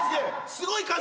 すごい数。